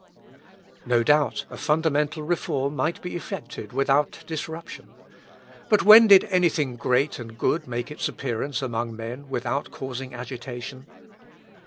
No doubt a fundamental reform might be effected without disruption. But when did anything great and good make its appearance among men without causing agitation?